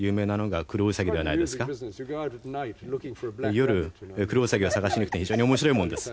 夜クロウサギを探しにいくと非常に面白いものです。